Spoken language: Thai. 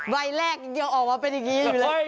ใบแรกยังออกมาเป็นอย่างนี้อยู่เลย